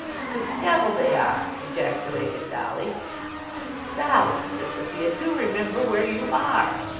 "The d they are!" ejaculated Dolly. "Dolly!" said Sophia, "do remember where you are."